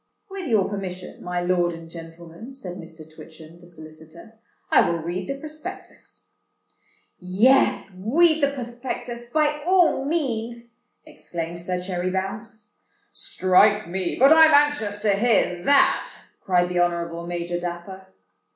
"With your permission, my lord and gentlemen," said Mr. Twitchem, the solicitor, "I will read the Prospectus." "Yeth, wead the pwothpeckthuth, by all meanth," exclaimed Sir Cherry Bounce. "Strike me—but I'm anxious to hear that," cried the Honourable Major Dapper.